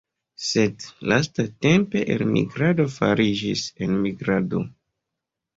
Sed lastatempe elmigrado fariĝis enmigrado.